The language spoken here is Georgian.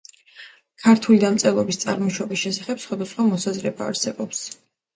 ქართული დამწერლობის წარმოშობის შესახებ სხვადასხვა მოსაზრება არსებობს.